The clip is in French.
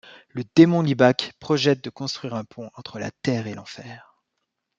Le démon Lybach projette de construire un pont entre la terre et l'Enfer.